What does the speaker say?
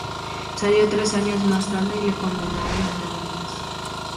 Salió tres años más tarde y le condenaron a nueve más.